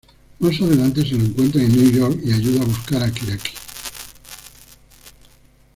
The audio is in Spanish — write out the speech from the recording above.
Más adelante se lo encuentran en New York y ayuda a buscar a Kirari.